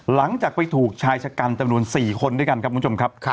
หลังจากไปถูกชายชะกรรมจำนวน๔คนด้วยกันครับ